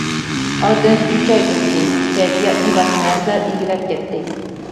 ئارىدىن ئۈچ ئاي ئۆتتى، كەيپىياتنى باشقا نەرسىلەر ئىگىلەپ كەتتى.